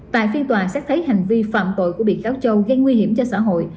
tại phiên tòa xét thấy hành vi phạm tội của bị cáo châu gây nguy hiểm cho xã hội